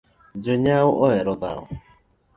Jonyao ohero dhao